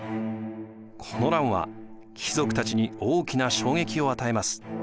この乱は貴族たちに大きな衝撃を与えます。